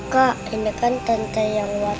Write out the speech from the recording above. kak ini kan tante yang watak